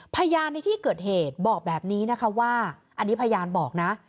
พยานในที่เกิดเหตุบอกแบบนี้นะคะว่าอันนี้พยานบอกนะ